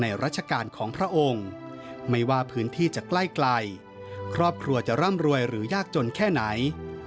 ราชการของพระองค์ไม่ว่าพื้นที่จะใกล้ครอบครัวจะร่ำรวยหรือยากจนแค่ไหน